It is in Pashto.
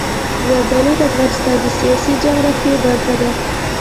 زردالو د افغانستان د سیاسي جغرافیه برخه ده.